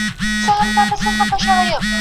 یا د وصل عمر اوږد وای لکه شپې چي د هجران وای.